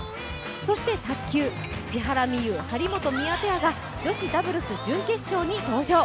そして卓球、木原美悠・張本美和ペアが女子ダブルス準決勝に登場。